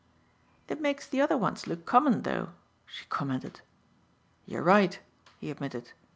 "It makes the other ones look common though," she commented. "You're right," he admitted.